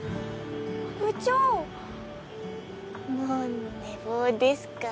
部長も寝坊ですか？